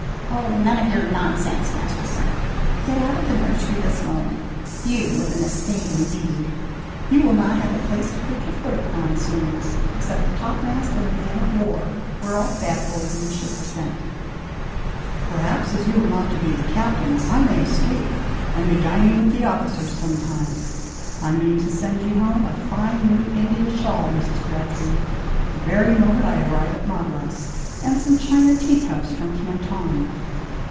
"None of your nonsense, Master Frank! Get out of the nursery this moment! You with an estate indeed! You will not have a place to put your foot upon soon except the topmast in a man of war, where all the bad boys in a ship are sent." "Perhaps, as you are not to be the captain, I may escape, and be dining with the officers sometimes! I mean to send you home a fine new India shawl, Mrs. Crabtree, the very moment I arrive at Madras, and some china tea cups from Canton."